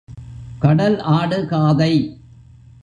கடல் ஆடு காதை.